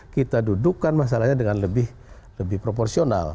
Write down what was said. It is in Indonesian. kita dudukkan masalahnya dengan lebih proporsional